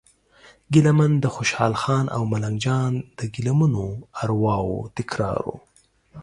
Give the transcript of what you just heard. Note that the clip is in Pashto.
ګیله من د خوشال خان او ملنګ جان د ګیله منو ارواوو تکرار و.